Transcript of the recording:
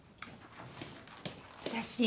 写真